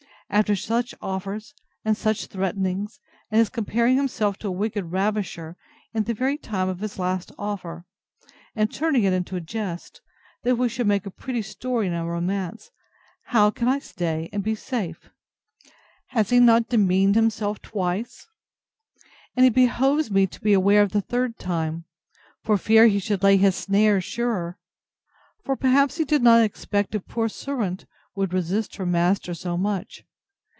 After such offers, and such threatenings, and his comparing himself to a wicked ravisher in the very time of his last offer; and turning it into a jest, that we should make a pretty story in a romance; can I stay and be safe? Has he not demeaned himself twice? And it behoves me to beware of the third time, for fear he should lay his snares surer; for perhaps he did not expect a poor servant would resist her master so much.